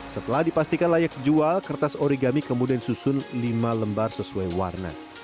setelah dipastikan layak jual kertas origami kemudian disusun lima lembar sesuai warna